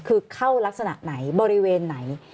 คือเข้ารักษณะไหนบริเวณไหน